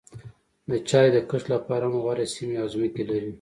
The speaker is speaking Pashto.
د چای د کښت لپاره هم غوره سیمې او ځمکې لري.